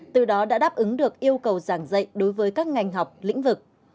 từ đó đã đáp ứng được yêu cầu giảng dạy đối với các ngành học lĩnh vực